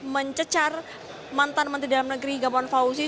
mencecar mantan menteri dalam negeri gamawan fauzi